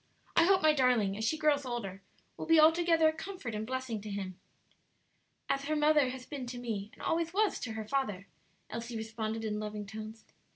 I hope my darling, as she grows older, will be altogether a comfort and blessing to him." "As her mother has been to me, and always was to her father," Elsie responded in loving tones.